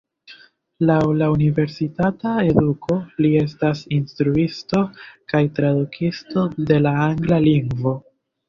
Laŭ la universitata eduko li estas instruisto kaj tradukisto de la angla lingvo.